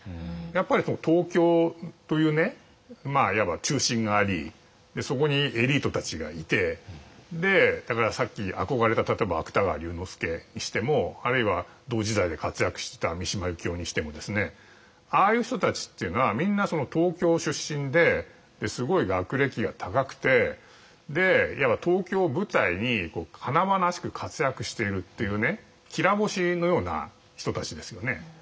やっぱり東京というねいわば中心がありそこにエリートたちがいてでだからさっき憧れた例えば芥川龍之介にしてもあるいは同時代で活躍した三島由紀夫にしてもですねああいう人たちっていうのはみんな東京出身ですごい学歴が高くていわば東京を舞台に華々しく活躍しているっていうねきら星のような人たちですよね。